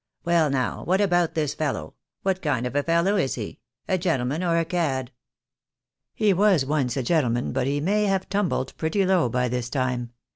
Well, now, what about this fellow, what kind of a fellow is he — a gentleman or a cad?" "He was once a gentleman, but he may have tumbled pretty low by this time.